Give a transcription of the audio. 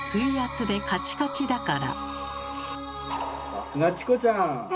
さすがチコちゃん！